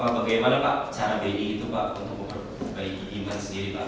bagaimana pak cara bi itu pak untuk memperbaiki event sendiri pak